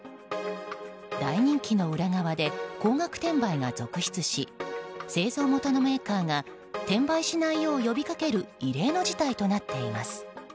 大人気の裏側で高額転売が続出し製造元のメーカーが転売しないよう呼びかける異例の事態となっています。